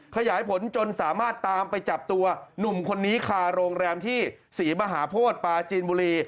ขยายผลจนสามารถตามไปจับตัวหนุ่มคนนี้คาโรงแรมที่ศรีมหาโพธิปาจีนบุรี